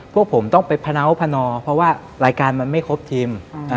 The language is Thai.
พวกผมต้องไปพะเนาพนอเพราะว่ารายการมันไม่ครบทีม